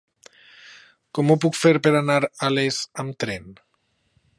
Com ho puc fer per anar a Les amb tren?